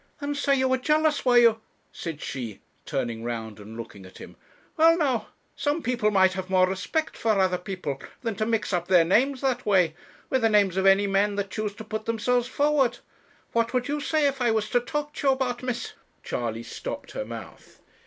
'And so you were jealous, were you?' said she, turning round and looking at him. 'Well now, some people might have more respect for other people than to mix up their names that way, with the names of any men that choose to put themselves forward. What would you say if I was to talk to you about Miss ' Charley stopped her mouth.